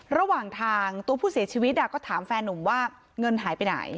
ระหว่างทางตัวผู้เสียชีวิตก็ถามแฟนนุ่มว่าเงินหายไปไหน